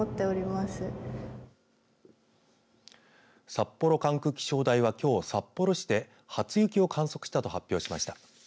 札幌管区気象台はきょう札幌市で初雪を観測したと発表しました。